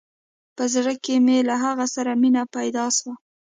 په زړه کښې مې له هغه سره مينه پيدا سوه.